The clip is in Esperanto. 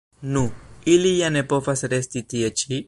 Nu, ili ja ne povas resti tie ĉi?